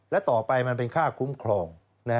และต่อไปมันเป็นค่าคุ้มครอง